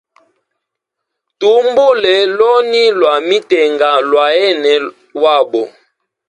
Tuhumbule loni lwa mitenga lwayene wabo.